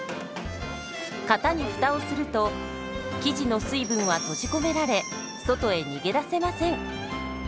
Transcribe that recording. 型にフタをすると生地の水分は閉じ込められ外へ逃げ出せません。